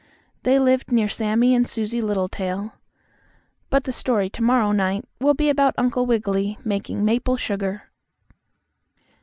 They lived near Sammie and Susie Littletail. But the story to morrow night will be about Uncle Wiggily making maple sugar.